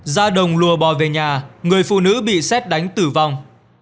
ra đồng lùa bò về nhà người phụ nữ bị xét đánh tử vong